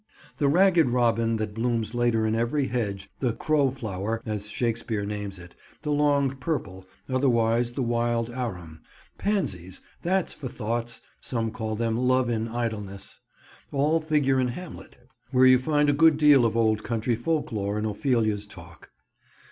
The ragged robin that blooms later in every hedge; the "crow flower" as Shakespeare names it; the "long purple," otherwise the wild arum; pansies—"that's for thoughts"—some call them "love in idleness"; all figure in Hamlet, where you find a good deal of old country folklore in Ophelia's talk.